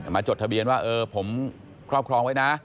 จดทะเบียนว่าเออผมครอบครองไว้นะ